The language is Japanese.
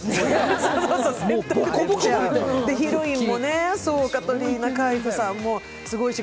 ヒロインもね、カトリーナ・カイフさんもすごいし。